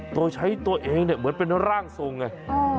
โดยใช้ตัวเองเนี่ยเหมือนเป็นร่างทรงไง